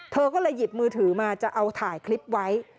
เธอก็เลยหยิบมือถือมาจะเอาถ่ายคลิปไว้